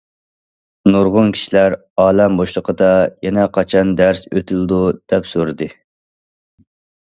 نۇرغۇن كىشىلەر:« ئالەم بوشلۇقىدا يەنە قاچان دەرس ئۆتۈلىدۇ؟» دەپ سورىدى.